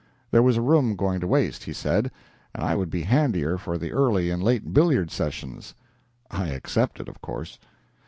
There was a room going to waste, he said, and I would be handier for the early and late billiard sessions. I accepted, of course.